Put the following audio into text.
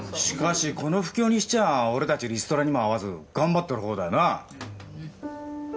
しかしこの不況にしちゃ俺たちリストラにもあわず頑張ってる方だよな？